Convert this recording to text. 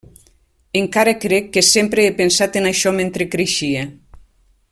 Encara crec que sempre he pensat en això mentre creixia.